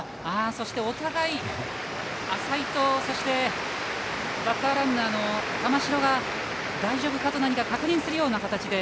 そしてお互いに、浅井とバッターランナーの玉城が大丈夫か？と確認するような形で。